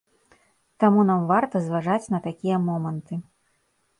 Таму нам варта зважаць на такія моманты.